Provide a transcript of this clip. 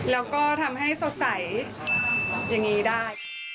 แล้วก็ทำให้สดใสอย่างนี้ได้